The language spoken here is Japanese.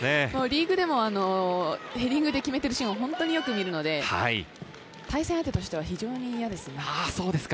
リーグでもヘディングで決めているシーンをよく見るので、対戦相手としては非常に嫌ですね。